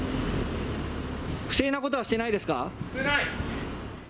不正なことはしてないですかしてない！